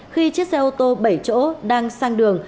khi chiếc xe ô tô bảy chỗ đang sang đường